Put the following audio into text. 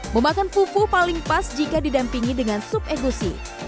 memakan fufu paling pas jika didampingi dengan sup egusisu